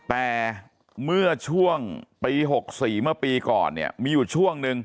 แต่เมื่อช่วงปี๖๔เมื่อปีก่อนเนี่ยมีอยู่ช่วงนึง